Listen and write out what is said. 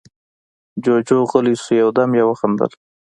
جُوجُو غلی شو، يو دم يې وخندل: